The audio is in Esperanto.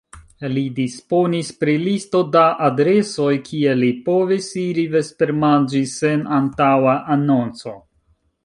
Li disponis pri listo da adresoj, kie li povis iri vespermanĝi sen antaŭa anonco.